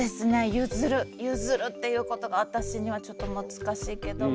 ゆずるゆずるっていうことが私にはちょっと難しいけども。